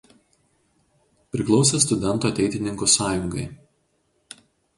Priklausė studentų Ateitininkų sąjungai.